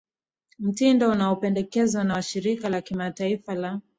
mitindo unaopendekezwa na washirika la kimataifa la